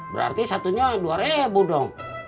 berarti satunya dua ribu dong